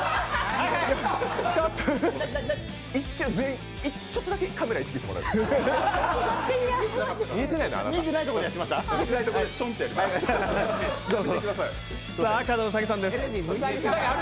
一応全員、ちょっとだけカメラ意識してもらえる？